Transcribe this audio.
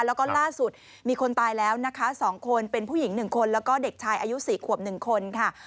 แล้วก็ล่าสุดมีคนตายแล้วนะคะ๒คนเป็นผู้หญิง๑คนแล้วก็เด็กชายอายุ๔ขวบ๑คนค่ะ